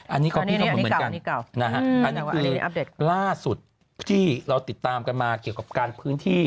อันนี้ก็พี่น้องเหมือนกันนะฮะอันนี้คือล่าสุดที่เราติดตามกันมาเกี่ยวกับการพื้นที่